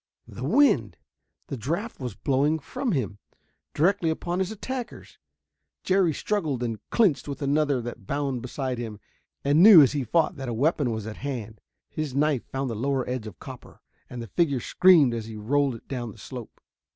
The wind! The draft was blowing from him, directly upon his attackers. Jerry struggled and clinched with another that bounded beside him, and knew as he fought that a weapon was at hand. His knife found the lower edge of copper, and the figure screamed as he rolled it down the slope.